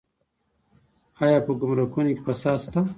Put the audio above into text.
آیا په ګمرکونو کې فساد شته؟